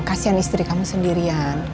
kasian istri kamu sendirian